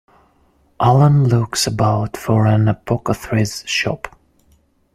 Allan looks about for an apothecary's shop.